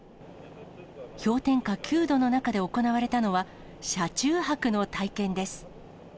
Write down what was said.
氷点下９度の中で行われたのは、車中泊の体験です。